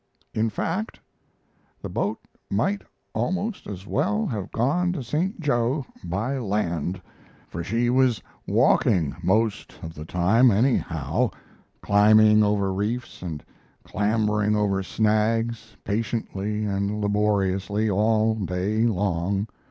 In fact, the boat might almost as well have gone to St. Jo by land, for she was walking most of the time, anyhow climbing over reefs and clambering over snags patiently and laboriously all day long.